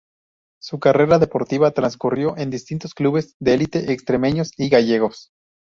Su carrera deportiva transcurrió en distintos clubes de elite extremeños y gallegos.